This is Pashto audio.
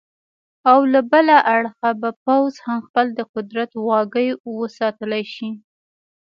او له بله اړخه به پوځ هم خپل د قدرت واګې وساتلې شي.